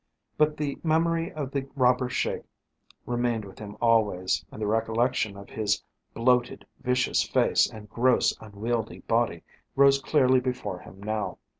But the memory of the robber Sheik remained with him always, and the recollection of his bloated, vicious face and gross, unwieldy body rose clearly before him now.